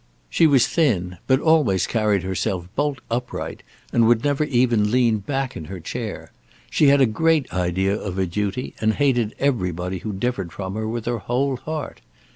She was thin, but always carried herself bolt upright, and would never even lean back in her chair. She had a great idea of her duty, and hated everybody who differed from her with her whole heart.